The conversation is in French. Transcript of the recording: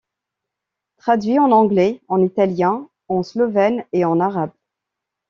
Traduit en anglais, en italien, en slovène et en arabe.